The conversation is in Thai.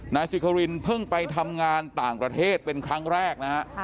นายสิครินเพิ่งไปทำงานต่างประเทศเป็นครั้งแรกนะฮะ